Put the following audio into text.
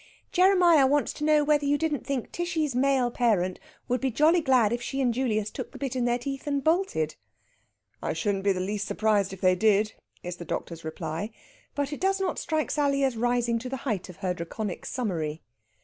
"Jeremiah wants to know whether you don't think Tishy's male parent would be jolly glad if she and Julius took the bit in their teeth and bolted?" "I shouldn't be the least surprised if they did," is the doctor's reply. But it does not strike Sally as rising to the height of her Draconic summary.